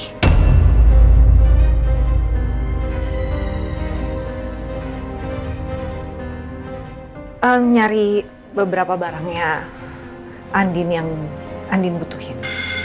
ehm nyari beberapa barangnya andi yang andi butuhin